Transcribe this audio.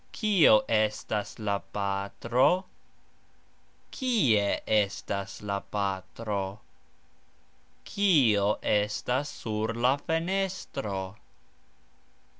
Kio estas la patro? Kie estas la patro? Kio estas sur la fenestro?